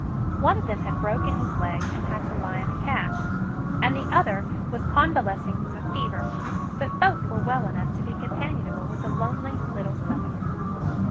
One of them had broken his leg and had to lie in a cast, and the other was convalesc ing from fever, but both were well enough to be compan ionable with the lonely little Southerner.